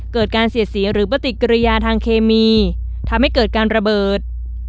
เกิดการเสียเสียหรือปฏิกิริยาทางเคมีทำให้เกิดการระเบิด